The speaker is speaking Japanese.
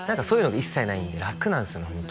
そういうのが一切ないんで楽なんですよね